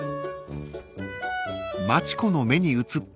［町子の目に映った］